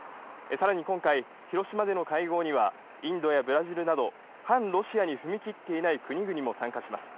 さらに今回、広島での会合には、インドやブラジルなど、反ロシアに踏み切っていない国々も参加します。